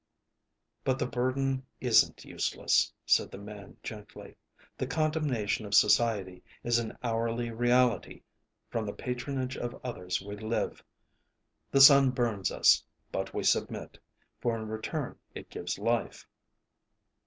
"But the burden isn't useless," said the man, gently. "The condemnation of society is an hourly reality. From the patronage of others we live. The sun burns us, but we submit, for in return it gives life."